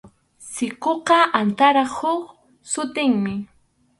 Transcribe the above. Sikuqa antarap huk sutinmi.